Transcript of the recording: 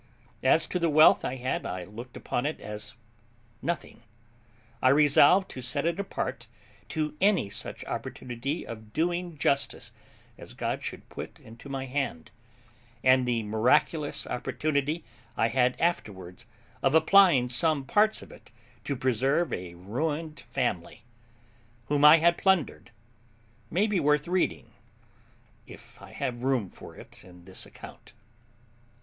As to the wealth I had, I looked upon it as nothing; I resolved to set it apart to any such opportunity of doing justice as God should put into my hand; and the miraculous opportunity I had afterwards of applying some parts of it to preserve a ruined family, whom I had plundered, may be worth reading, if I have room for it in this account.